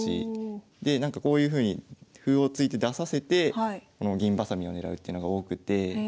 でなんかこういうふうに歩を突いて出させてこの銀ばさみを狙うっていうのが多くて。